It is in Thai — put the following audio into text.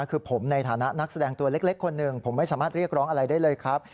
คือผมในฐานะนักแสดงตัวเล็กคนหนึ่งผมไม่สามารถเรียกร้องอะไรได้เลยครับ